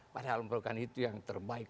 padahal bukan itu yang terbaik